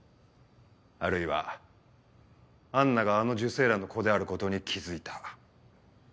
あるいはアンナがあの受精卵の子であることに気付いた。